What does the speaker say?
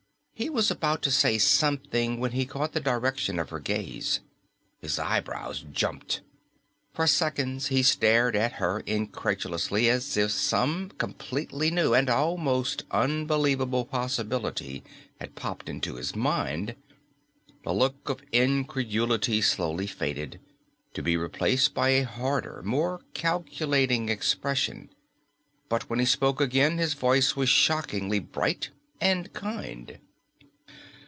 He was about to say something when he caught the direction of her gaze. His eyebrows jumped. For seconds he stared at her incredulously, as if some completely new and almost unbelievable possibility had popped into his mind. The look of incredulity slowly faded, to be replaced by a harder, more calculating expression. But when he spoke again, his voice was shockingly bright and kind.